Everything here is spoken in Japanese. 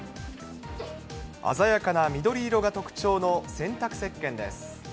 鮮やかな緑色が特徴の洗濯せっけんです。